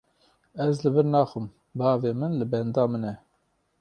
Ez li vir naxwim, bavê min li benda min e.